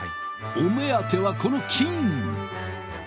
お目当てはこの金！